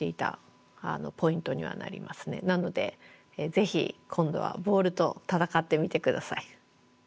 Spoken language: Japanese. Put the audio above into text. なのでぜひ今度はボールと戦ってみて下さい。